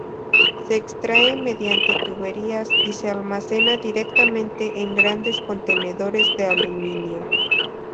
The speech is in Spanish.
Se extrae mediante tuberías, y se almacena directamente en grandes contenedores de aluminio.